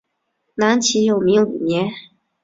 南齐永明五年。